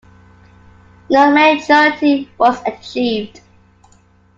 No majority was achieved.